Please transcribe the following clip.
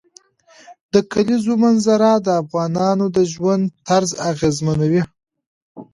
د کلیزو منظره د افغانانو د ژوند طرز اغېزمنوي.